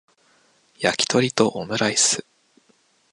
やきとりとオムライス